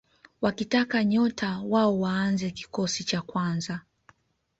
wakitaka nyota wao waanze kikosi cha kwanza